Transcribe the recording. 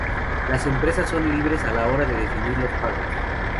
Las empresas son libres a la hora definir los pagos.